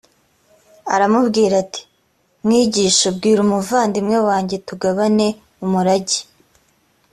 aramubwira ati mwigisha bwira umuvandimwe wanjye tugabane umurage